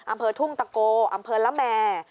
อำเภอทุ่งตะโกอำเภอละแมร์